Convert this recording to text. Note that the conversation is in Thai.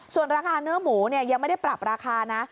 ส่วนราคาเนื้อหมูยังไม่ได้ปรับราคานะ